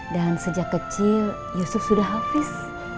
dan sejak kecil yusuf sudah hafiz